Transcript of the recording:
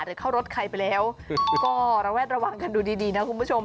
เข้ารถใครไปแล้วก็ระแวดระวังกันดูดีนะคุณผู้ชม